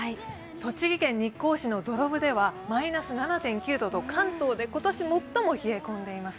栃木県日光市の土呂部ではマイナス７．９度と関東で今年最も冷え込んでいます。